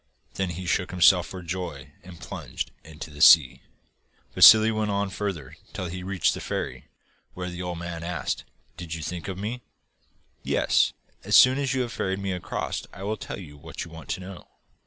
Then he shook himself for joy, and plunged into the sea. Vassili went on further till he reached the ferry, where the old man asked: 'Did you think of me?' 'Yes, and as soon as you have ferried me across I will tell you what you want to know.